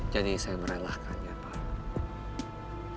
jadi saya merelahkannya pak